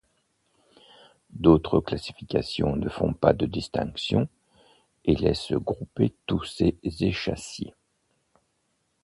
D'autres classifications ne font pas de distinction et laissent groupés tous ces échassiers.